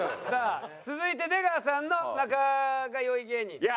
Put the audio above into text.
さあ続いて出川さんの仲が良い芸人。